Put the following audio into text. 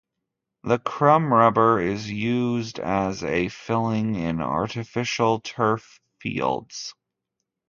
The crumb rubber is used as a filling in artificial turf fields.